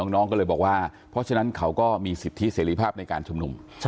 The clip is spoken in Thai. น้องก็เลยบอกว่าเพราะฉะนั้นเขาก็มีสิทธิเสรีภาพในการชุมนุม